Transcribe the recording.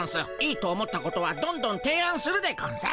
いいと思ったことはどんどんていあんするでゴンス。